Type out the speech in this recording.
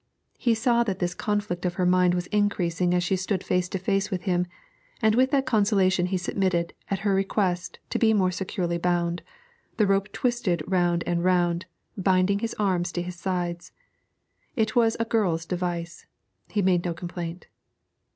He saw that this conflict of her mind was increasing as she stood face to face with him, and with that consolation he submitted, at her request, to be more securely bound the rope twisted round and round, binding his arms to his sides. It was a girl's device; he made no complaint.